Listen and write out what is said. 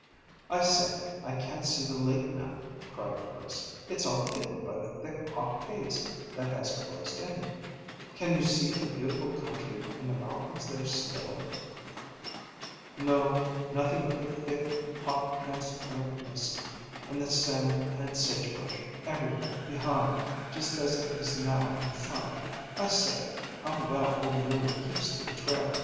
"I say, I can't see the lake now," cried Chris. "It's all hidden by the thick hot haze that has closed in." "Can you see the beautiful country and the mountains there still?" "No; nothing but the thick, hot, transparent mist and the sand and sage brush everywhere, behind, just as it is now in front. I say, how well old muley keeps to the trail!